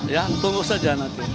ya tunggu saja nanti